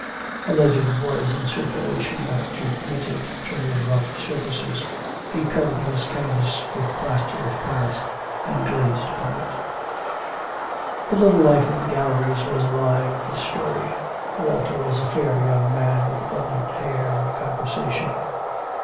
A legend was in circulation that to imitate Turner's rough surfaces he covered his canvas with plaster of Paris and glazed upon it. The little life of the galleries was alive with story. Walter was a fair young man with abundant hair and conversation.